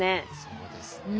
そうですね。